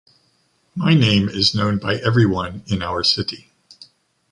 My name is known by everyone in our city.